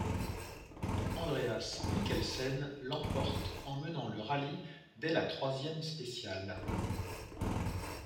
Andreas Mikkelsen l’emporte en menant le rallye dès la troisième spéciale.